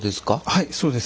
はいそうです。